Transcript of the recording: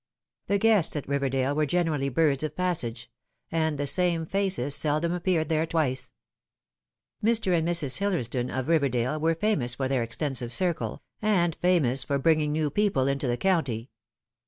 The guests at Kiverdale were generally birds of passage ; and the same faces seldom appeared there twice. Mr. and Mrs. Hillersdon of River dale were famous for their extensive circle, and famous for bringing new people into the county.